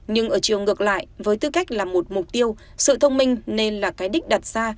nhưng ở chiều ngược lại với tư cách là một mục tiêu sự thông minh nên là cái đích đặt ra